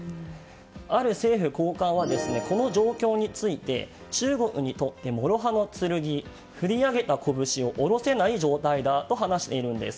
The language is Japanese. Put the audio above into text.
ある政府高官はこの状況について中国にとって諸刃の剣振り上げたこぶしを下ろせない状態だと話しています。